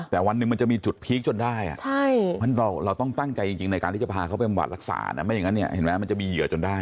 แต่วันหนึ่งมันจะมีจุดพีคจนได้เราต้องตั้งใจจริงในการที่จะพาเขาไปบำบัดรักษานะไม่อย่างนั้นเนี่ยเห็นไหมมันจะมีเหยื่อจนได้